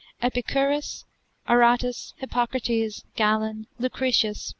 Epicurus, Aratus, Hippocrates, Galen, Lucretius, lib.